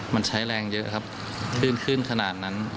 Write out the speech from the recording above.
มันใช้แรงเยอะครับขึ้นขึ้นขนาดนั้น